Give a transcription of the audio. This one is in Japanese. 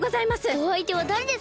おあいてはだれですか？